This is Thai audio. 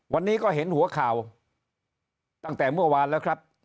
วันนี้ก็เห็นหัวข่าวตั้งแต่เมื่อวานแล้วครับ